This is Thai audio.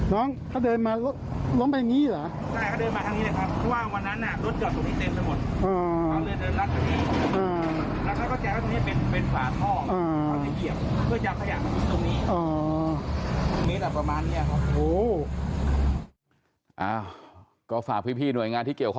น้องถ้าเดินมาล้มไปอย่างนี้เหรอ